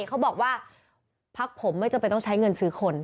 เขาบอกว่าพักผมไม่จำเป็นต้องใช้เงินซื้อคน